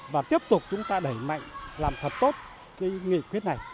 và tiếp tục chúng ta đẩy mạnh làm thật tốt cái nghị quyết này